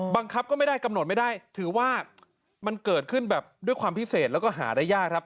บังคับก็ไม่ได้กำหนดไม่ได้ถือว่ามันเกิดขึ้นแบบด้วยความพิเศษแล้วก็หาได้ยากครับ